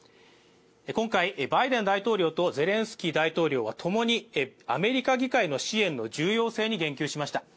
今回、バイデン大統領とゼレンスキー大統領は共にアメリカ議会の支援の重要性に言及しました。